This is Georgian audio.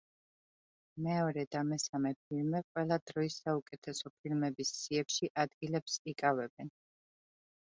მეორე და მესამე ფილმი ყველა დროის საუკეთესო ფილმების სიებში ადგილებს იკავებენ.